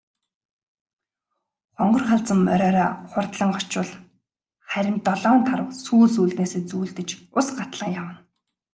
Хонгор халзан мориороо хурдлан очвол харин долоон тарвага сүүл сүүлнээсээ зүүлдэж ус гатлан явна.